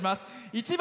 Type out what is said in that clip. １番